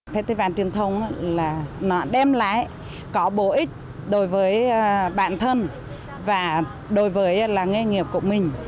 festival truyền thông là nó đem lại có bổ ích đối với bản thân và đối với nghề nghiệp của mình